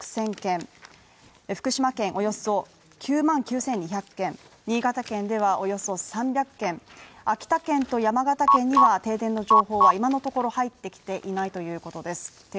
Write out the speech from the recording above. およそ４万６０００軒福島県およそ９万９２００軒、新潟県ではおよそ３００軒、秋田県と山形県には停電の情報は今のところ入ってきていないということです。